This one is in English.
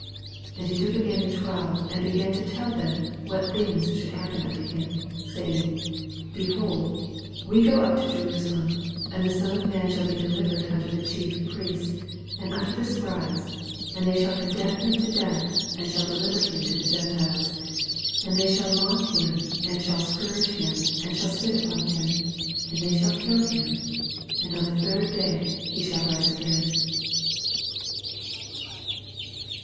And he took again the twelve, and began to tell them what thins should happen unto him, 33. Saying, Behold, we go up w> Jerusalem ; and the Son of ruan shall be delivered unto the Chief Priests, and unto the Scribes ; and they shall condemn him to death, and shall de liver him tothe Gentiles : 34 And they shall mock him, and shall scourge him, and shall spit upon him, and shall kill him : and the third day he shall rise again.